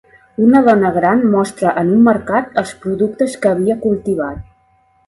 Una dona gran mostra en un mercat els productes que havia cultivat.